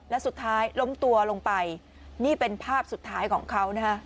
และสุดท้ายล้มตัวลงไปนี่เป็นภาพสุดท้ายของเขานะฮะ